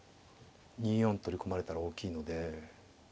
２四歩取り込まれたら大きいので。